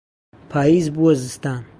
پاییز بووە زستان.